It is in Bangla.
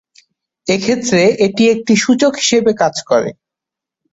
এক্ষেত্রে এটি একটি সূচক হিসাবে কাজ করে।